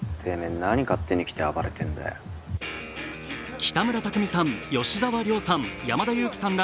北村匠海さん、吉沢亮さん、山田裕貴さんら